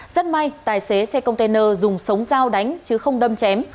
rất may tài xế xe container dùng sống dao đánh chứ không đâm chém